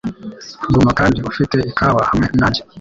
Guma kandi ufite ikawa hamwe nanjye.